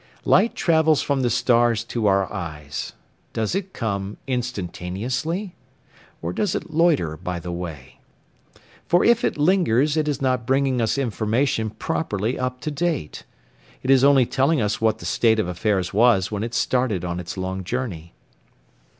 Light travels from the stars to our eyes: does it come instantaneously? or does it loiter by the way? for if it lingers it is not bringing us information properly up to date it is only telling us what the state of affairs was when it started on its long journey.